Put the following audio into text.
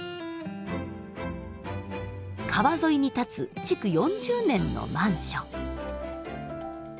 川沿いに立つ築４０年のマンション。